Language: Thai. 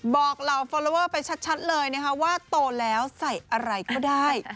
เหล่าฟอลลอเวอร์ไปชัดเลยนะคะว่าโตแล้วใส่อะไรก็ได้